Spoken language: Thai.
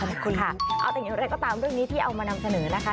เอาแต่งอย่างไรก็ตามเรื่องนี้ที่เอามานำเสนอนะคะ